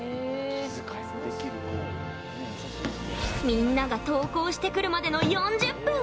みんなが登校してくるまでの４０分。